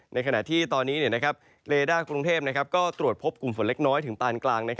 ในขณะที่ตอนนี้เลด้ากรุงเทพก็ตรวจพบกลุ่มฝนเล็กน้อยถึงปานกลาง